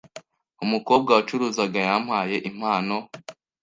Umukobwa wacuruzaga yampaye impano.